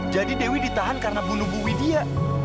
jadi dewi ditahan karena bunuh bu widia